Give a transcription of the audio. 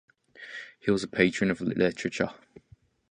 He was a patron of literature.